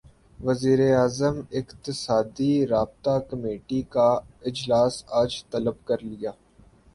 وزیراعظم نے اقتصادی رابطہ کمیٹی کا اجلاس اج طلب کرلیا